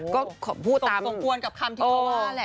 ก็พูดตามสมควรกับคำที่เขาว่าแหละ